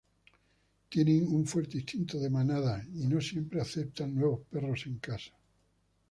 Tienen un fuerte instinto de manada y no siempre aceptan nuevos perros en casa.